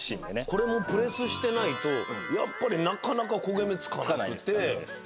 これもプレスしてないとなかなか焦げ目つかなくって。